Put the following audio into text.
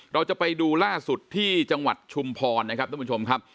เราจะไปดูล่าสุดที่จังหวัดชุมพรนะครับท่านผู้ชมครับ